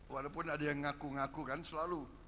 walaupun ada yang ngaku ngaku kan selalu